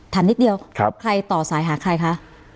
นิดเดียวใครต่อสายหาใครคะ